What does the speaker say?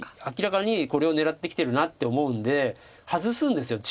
明らかにこれを狙ってきてるなと思うんで外すんです。